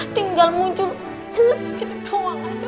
tinggal muncul jelek gitu doang aja